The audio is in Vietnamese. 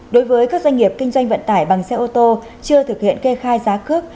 đối với các doanh nghiệp kinh doanh vận tải bằng xe ô tô chưa thực hiện kê khai giá cước